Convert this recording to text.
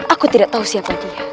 aku tidak tahu siapa dia